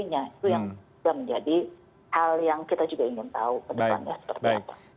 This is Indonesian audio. itu yang juga menjadi hal yang kita juga ingin tahu ke depannya seperti apa